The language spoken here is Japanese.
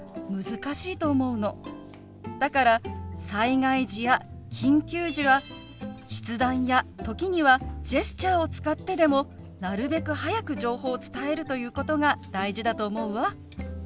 だから災害時や緊急時は筆談や時にはジェスチャーを使ってでもなるべく早く情報を伝えるということが大事だと思うわ。